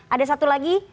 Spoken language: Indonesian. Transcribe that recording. ada satu lagi